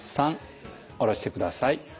下ろしてください。